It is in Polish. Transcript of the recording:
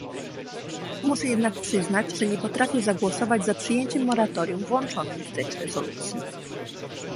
Muszę jednak przyznać, że nie potrafię zagłosować za przyjęciem moratorium włączonym w treść rezolucji